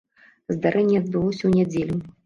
Здарэнне адбылося ў нядзелю.